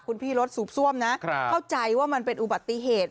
คุณพี่รถสูบซ่วมนะเข้าใจว่ามันเป็นอุบัติเหตุ